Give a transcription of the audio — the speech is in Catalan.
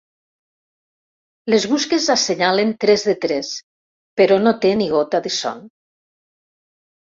Les busques assenyalen tres de tres, però no té ni gota de son.